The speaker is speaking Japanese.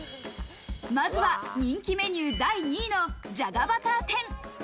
まずは人気メニュー第２位のじゃがバター天。